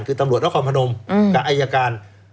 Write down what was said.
คือตำรวจและความผนมกับอายการ